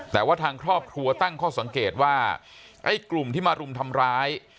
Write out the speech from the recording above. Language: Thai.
แต่ว่าทางครอบครัวตั้งข้อสังเกตว่าไอ้กลุ่มที่มารุมทำร้าย